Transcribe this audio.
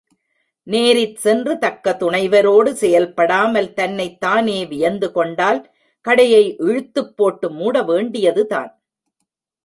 நேரிற் சென்று தக்க துணைவரோடு செயல்படாமல் தன்னைத் தானே வியந்துகொண்டால் கடையை இழுத்துப் போட்டு மூட வேண்டியதுதான்.